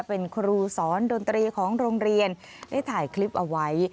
เป็นครูสอนดนตรีของโรงเรียนได้ถ่ายคลิปเอาไว้